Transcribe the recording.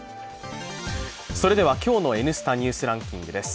それでは今日の「Ｎスタ・ニュースランキング」です。